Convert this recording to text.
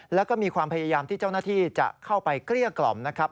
แล้วก็มีความพยายามที่เจ้าหน้าที่จะเข้าไปเกลี้ยกล่อมนะครับ